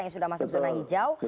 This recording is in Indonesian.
yang sudah masuk zona hijau